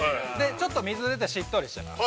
◆ちょっと水が出てしっとりしています。